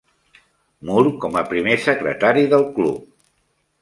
Moore com a primer secretari del club.